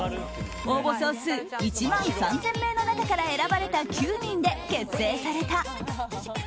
応募総数１万３０００名の中から選ばれた９人で結成された。